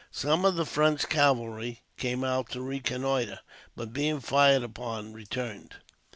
Some of the French cavalry came out to reconnoitre; but, being fired upon, returned.